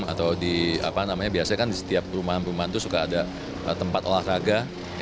atau di apa namanya biasanya kan di setiap perumahan perumahan itu suka ada tempat olahraga